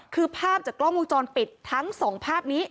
คือภาพจากกล้องวงจรปิดทั้งสองภาพนี้